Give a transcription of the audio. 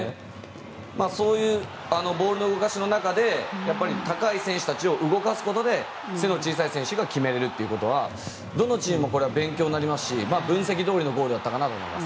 そういうボールの動かしの中で高い選手たちを動かすことで背の小さい選手が決めれるということはどのチームも勉強になりますし分析どおりのゴールだったかなと思います。